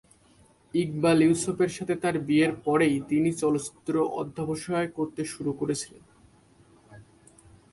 ইকবাল ইউসুফের সাথে তার বিয়ের পরেই তিনি চলচ্চিত্র অধ্যবসায় করতে শুরু করেছিলেন।